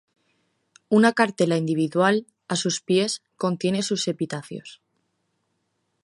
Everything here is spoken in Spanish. Una cartela individual a sus pies, contiene sus epitafios.